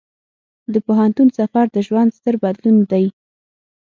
د پوهنتون سفر د ژوند ستر بدلون دی.